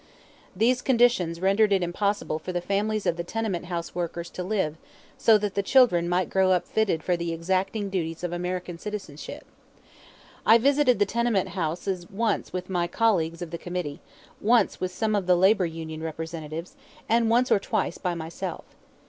These conditions rendered it impossible for the families of the tenement house workers to live so that the children might grow up fitted for the exacting duties of American citizenship. I visited the tenement houses once with my colleagues of the committee, once with some of the labor union representatives, and once or twice by myself.